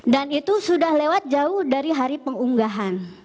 dan itu sudah lewat jauh dari hari pengunggahan